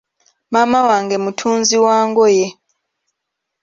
Maama wange mutunzi wa ngoye.